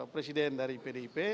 presiden dari pdip